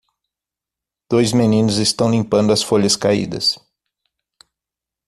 Dois meninos estão limpando as folhas caídas.